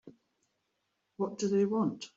What do they want?